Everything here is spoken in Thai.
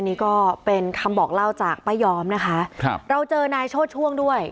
นี่ก็เป็นคำบอกเล่าจากป้ายยอมนะคะครับเราเจอนายโชดช่วงด้วย